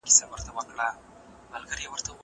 زه به سبا ليکنه وکړم!!